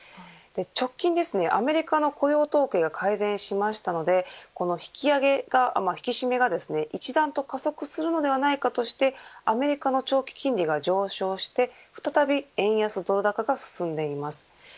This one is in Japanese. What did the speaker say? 直近でアメリカの雇用統計が改善しましたので引き締めが一段と加速するのではないかとしてアメリカの長期金利が上昇して再び円安ドル高が進んでいます。